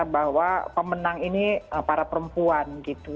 bahwa pemenang ini para perempuan gitu